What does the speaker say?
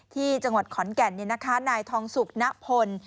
ที่จังหวัดขอนแก่นนายทองสุกณพล